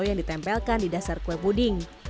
yang ditempelkan di dasar kue puding